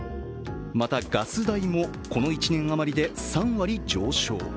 またガス代もこの１年余りで３割上昇。